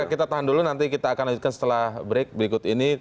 kita tahan dulu nanti kita akan lanjutkan setelah break berikut ini